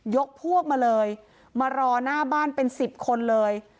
ยกพวกมาเลยมารอหน้าบ้านเป็นสิบคนเลย